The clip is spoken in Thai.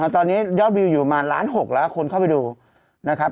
ตอนนี้ยอดวิวอยู่ประมาณล้าน๖ล้านคนเข้าไปดูนะครับ